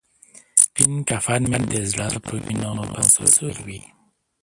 سپین کفن مې د زړه په وینو به سور وي.